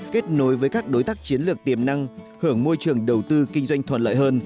kết nối với các đối tác chiến lược tiềm năng hưởng môi trường đầu tư kinh doanh thuận lợi hơn